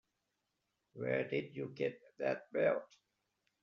Where'd you get that belt?